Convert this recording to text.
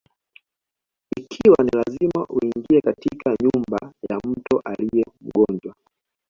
Ikiwa ni lazima uingie katika nyumba ya mtu aliye mgonjwa: